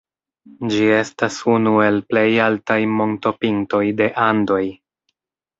Ĝi estas unu el plej altaj montopintoj de Andoj.